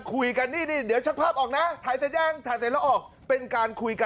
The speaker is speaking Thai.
คุยกันนี่นี่เดี๋ยวชั่งภาพออกนะถ่ายเสร็จแย่งถ่ายเสร็จแล้วออก